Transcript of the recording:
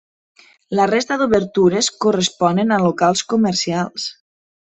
La resta d'obertures corresponen a locals comercials.